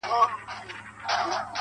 • ښاا ځې نو_